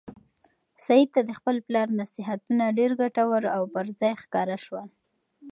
سعید ته د خپل پلار نصیحتونه ډېر ګټور او پر ځای ښکاره شول.